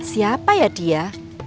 siapa ya dia